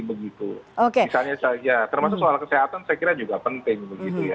misalnya saja termasuk soal kesehatan saya kira juga penting